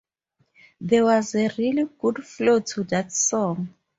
There was a really good flow to that song.